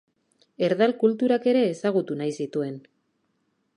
Erdal kulturak ere ezagutu nahi zituen.